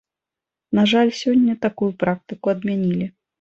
На жаль, сёння такую практыку адмянілі.